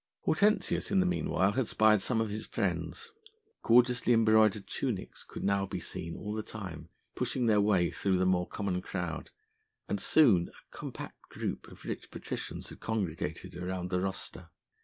Hortensius in the meanwhile had spied some of his friends. Gorgeously embroidered tunics could now be seen all the time pushing their way through the more common crowd, and soon a compact group of rich patricians had congregated around the rostra.